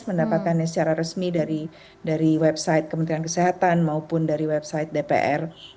mendapatkannya secara resmi dari website kementerian kesehatan maupun dari website dpr